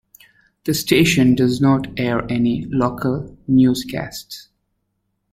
The station does not air any local newscasts.